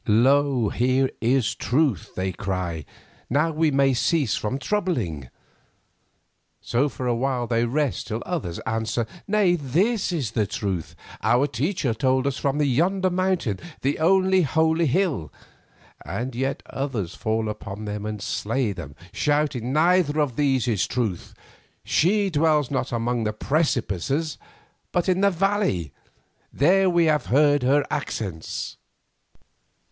"Lo, here is Truth," they cry, "now we may cease from troubling." So for a while they rest till others answer, "Nay, this is Truth; our teacher told it us from yonder mountain, the only Holy Hill." And yet others fall upon them and slay them, shouting, "Neither of these is Truth. She dwells not among the precipices, but in the valley; there we have heard her accents."